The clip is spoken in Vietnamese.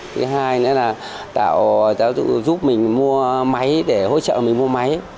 thứ hai nữa là giúp mình mua máy để hỗ trợ mình mua máy